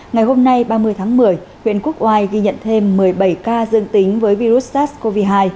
ngày hôm nay ba mươi tháng một mươi huyện quốc oai ghi nhận thêm một mươi bảy ca dương tính với virus sars cov hai